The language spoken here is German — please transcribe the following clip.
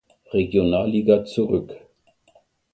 Regionalliga zurück.